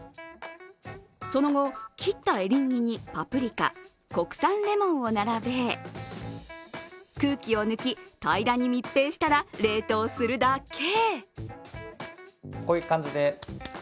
その後、切ったエリンギにパプリカ、国産レモンを並べ空気を抜き、平らに密閉したら冷凍するだけ。